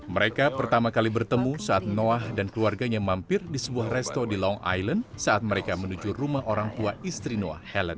mereka pertama kali bertemu saat noah dan keluarganya mampir di sebuah resto di long island saat mereka menuju rumah orang tua istri noah helen